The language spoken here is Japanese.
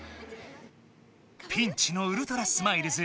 ピンチのウルトラスマイルズ